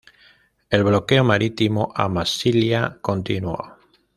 El bloqueo marítimo a Massilia continuo.